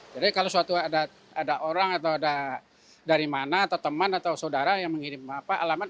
jadi kalau suatu ada orang atau ada dari mana atau teman atau saudara yang mengirim alamat